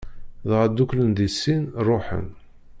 Dɣa dduklen di sin, ṛuḥen.